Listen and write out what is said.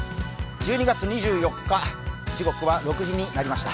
１２月２４日、時刻は６時になりました。